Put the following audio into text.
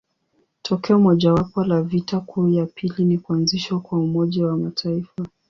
Tokeo mojawapo la vita kuu ya pili ni kuanzishwa kwa Umoja wa Mataifa.